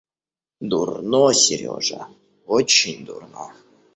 Дурно, Сережа, очень дурно.